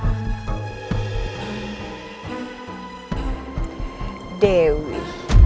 aku akan mencari cherry